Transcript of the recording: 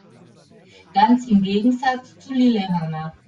Ganz im Gegensatz zu Lillehammer.